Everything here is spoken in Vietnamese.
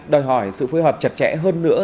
đòi hỏi sự phối hợp chặt chẽ hơn nữa